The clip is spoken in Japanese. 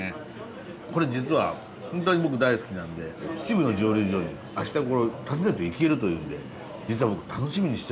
これ実はホントに僕大好きなんで秩父の蒸留所にあした訪ねていけるというので実は僕楽しみにしてるんですよ。